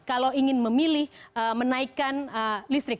kalau ingin memilih menaikkan listrik